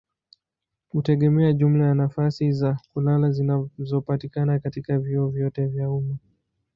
hutegemea jumla ya nafasi za kulala zinazopatikana katika vyuo vyote vya umma.